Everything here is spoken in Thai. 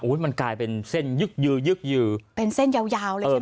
มันกลายเป็นเส้นยึกยือยึกยือเป็นเส้นยาวยาวเลยใช่ไหม